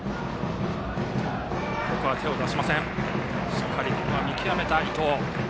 しっかり見極めた伊藤。